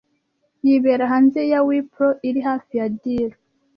Yibera hanze ya Wripple, iri hafi ya Deal.